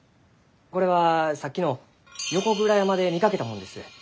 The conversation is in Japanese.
これはさっきの横倉山で見かけたもんです。